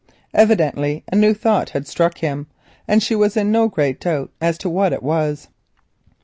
Evidently a new thought had struck him, and she was in no great doubt as to what it was.